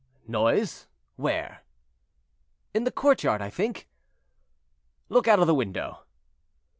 "Noise, where?" "In the courtyard, I think." "Look out of the window."